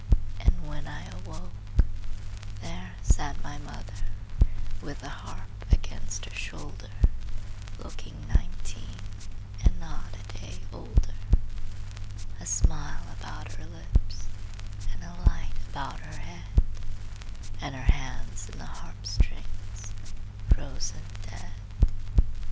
And when I awoke,– There sat my mother With the harp against her shoulder Looking nineteen And not a day older, A smile about her lips, And a light about her head, And her hands in the harp strings Frozen dead.